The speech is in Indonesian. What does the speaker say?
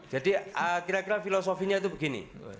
jadi kira kira filosofinya itu begini